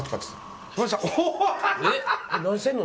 えっ何してんの？